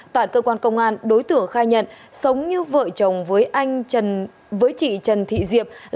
tại cơ quan công an đối tượng khai nhận sống như vợ chồng với chị trần thị diệp